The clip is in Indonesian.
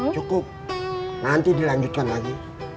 cukup nanti dilanjutkan lagi